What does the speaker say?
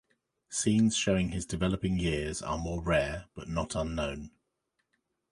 Scenes showing his developing years are more rare but not unknown.